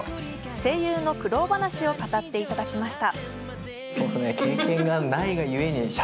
声優の苦労話を語っていただきました。